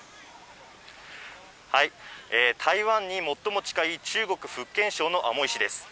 台湾に最も近い中国・福建省のアモイ市です。